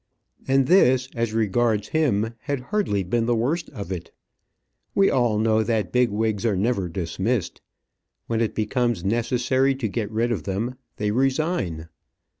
And this, as regards him, had hardly been the worst of it. We all know that bigwigs are never dismissed. When it becomes necessary to get rid of them, they resign.